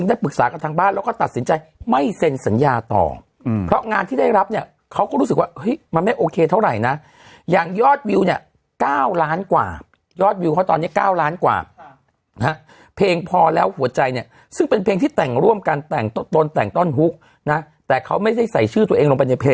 ได้ปรึกษากับทางบ้านแล้วก็ตัดสินใจไม่เซ็นสัญญาต่อเพราะงานที่ได้รับเนี่ยเขาก็รู้สึกว่าเฮ้ยมันไม่โอเคเท่าไหร่นะอย่างยอดวิวเนี่ย๙ล้านกว่ายอดวิวเขาตอนนี้๙ล้านกว่านะฮะเพลงพอแล้วหัวใจเนี่ยซึ่งเป็นเพลงที่แต่งร่วมกันแต่งตนแต่งต้นฮุกนะแต่เขาไม่ได้ใส่ชื่อตัวเองลงไปในเพ